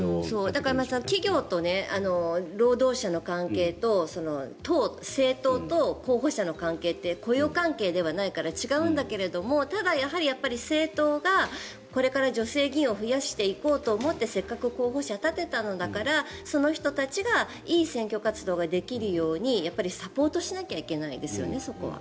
だから企業と労働者の関係と政党と候補者の関係って雇用関係ではないから違うんだけどただ、やはり政党がこれから女性議員を増やしていこうと思ってせっかく候補者を立てたのだからその人たちがいい選挙活動ができるようにサポートしなきゃいけないですよね。